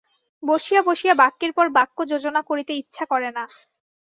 বসিয়া বসিয়া বাক্যের পর বাক্য যোজনা করিতে ইচ্ছা করে না।